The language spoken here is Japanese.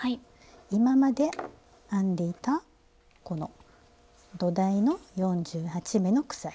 今まで編んでいたこの土台の４８目の鎖。